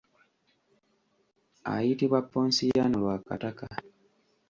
Ayitibwa Ponsiano Lwakataka.